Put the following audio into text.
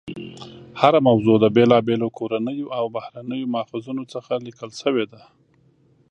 هره موضوع د بېلابېلو کورنیو او بهرنیو ماخذونو څخه لیکل شوې ده.